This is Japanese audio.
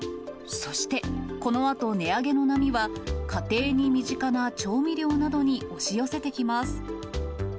そして、このあと値上げの波は、家庭に身近な調味料などに押し寄せてきます。